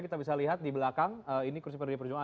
kita bisa lihat di belakang ini kursi pd perjuangan